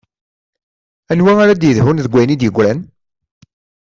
Anwa ara d-yedhun deg wayen i d-yeggran?